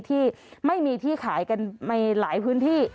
ที่ไม่มีที่ขายกันในหลายพื้นที่